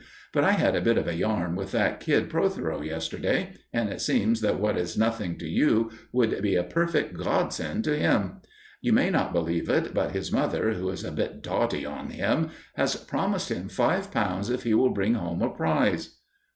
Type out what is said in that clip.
"But I had a bit of a yarn with that kid Protheroe yesterday, and it seems that what is nothing to you would be a perfect godsend to him. You may not believe it, but his mother, who is a bit dotty on him, has promised him five pounds if he will bring home a prize."